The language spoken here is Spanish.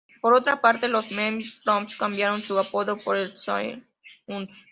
Por otra parte, los Memphis Pros cambiaron su apodo por el de "Sounds".